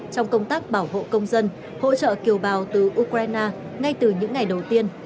trong công tác bảo hộ công dân hỗ trợ kiều bào từ ukraine ngay từ những ngày đầu tiên